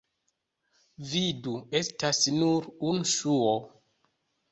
Vidu: estas nur unu ŝuo.